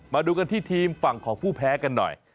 มาดูกันที่ทีมฝั่งของผู้แพ้กันหน่อย